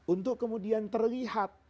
untuk kemudian terlihat